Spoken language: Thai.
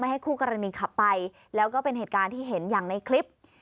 ให้คู่กรณีขับไปแล้วก็เป็นเหตุการณ์ที่เห็นอย่างในคลิป